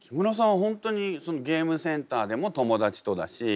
ホントにゲームセンターでも友達とだし